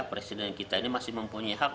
presiden kita ini masih mempunyai hak